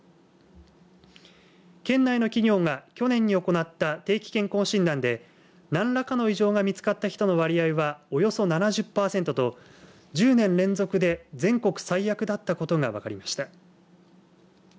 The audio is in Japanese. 県内の企業が去年に行った定期健康診断で何らかの異常が見つかった人の割合はおよそ７０パーセントと１０年連続で全国最悪だったことが分かりました。